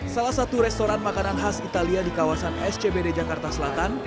salah satu restoran makanan khas italia di kawasan scbd jakarta selatan